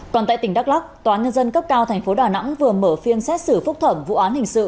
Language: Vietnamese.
còn tại tỉnh đắk lắc tòa nhân dân cấp cao tp đà nẵng vừa mở phiên xét xử phúc thẩm vụ án hình sự